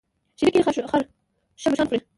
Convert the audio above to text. شريکي خر شرمښآن خوري.